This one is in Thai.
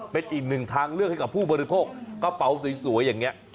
เป็นอีกหนึ่งทางเลือกให้กับผู้บริโภคกระเป๋าสวยอย่างนี้